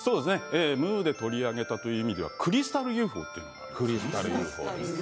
「ムー」で取り上げたという意味では、クリスタルＵＦＯというのがあります